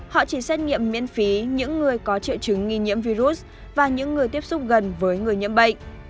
họ chỉ xét nghiệm miễn phí những người có triệu chứng nghi nhiễm virus và những người tiếp xúc gần với người nhiễm bệnh